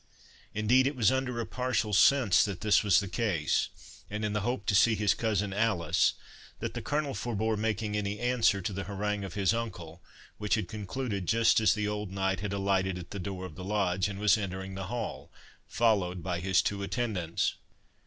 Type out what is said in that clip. Indeed, it was under a partial sense that this was the case, and in the hope to see his cousin Alice, that the Colonel forbore making any answer to the harangue of his uncle, which had concluded just as the old knight had alighted at the door of the Lodge, and was entering the hall, followed by his two attendants.